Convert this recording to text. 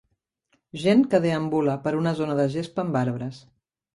Gent que deambula per una zona de gespa amb arbres.